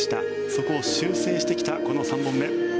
そこを修正してきたこの３本目。